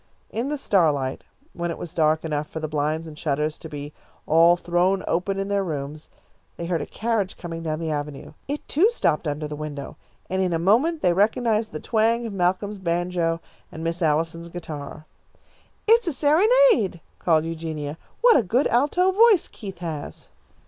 In the starlight, when it was dark enough for the blinds and shutters to be all thrown open in their rooms, they heard a carriage coming down the avenue. It, too, stopped under the window, and in a moment they recognised the twang of Malcolm's banjo and Miss Allison's guitar. "It's a serenade," called Eugenia. "What a good alto voice Keith has!"